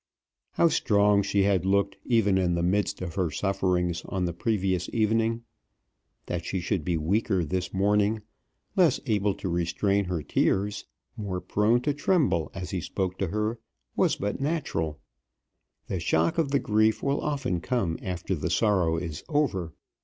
How strong she had looked, even in the midst of her sufferings, on the previous evening! That she should be weaker this morning, less able to restrain her tears, more prone to tremble as he spoke to her, was but natural. The shock of the grief will often come after the sorrow is over.